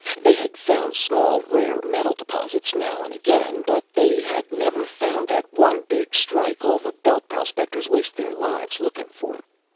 They had found small rare metal deposits now and again, but they had never found that one big strike all the Belt prospectors waste their lives looking for.